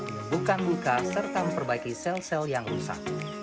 membuka muka serta memperbaiki sel sel yang rusak